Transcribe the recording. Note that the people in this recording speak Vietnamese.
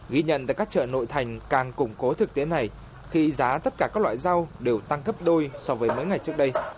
ghi nhận tại các chợ nội thành càng củng cố thực tế này khi giá tất cả các loại rau đều tăng gấp đôi so với mỗi ngày trước đây